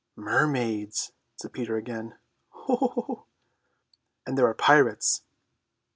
"Mermaids!" said Peter again. "Oo!" "And there are pirates."